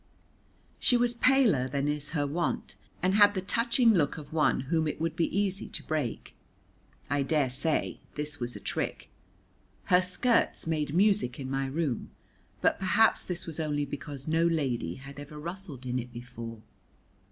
She was paler than is her wont, and had the touching look of one whom it would be easy to break. I daresay this was a trick. Her skirts made music in my room, but perhaps this was only because no lady had ever rustled in it before.